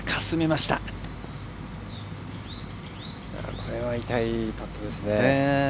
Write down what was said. これは痛いパットですね。